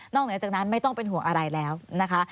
เหนือจากนั้นไม่ต้องเป็นห่วงอะไรแล้วนะคะ